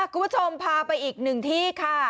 คุณผู้ชมพาไปอีกหนึ่งที่ค่ะ